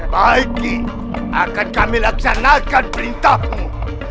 bagi akan kami laksanakan perintahmu